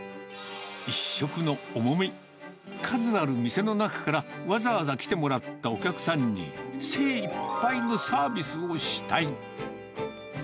１食のおもみ、数ある店の中から、わざわざ来てもらったお客さんに、精いっぱいのサービスをしたい。